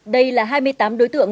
đây là hai mươi tám đối tượng